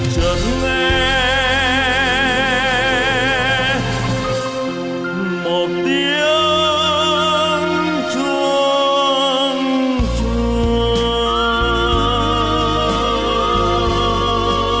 chợt nghe một tiếng chuông chua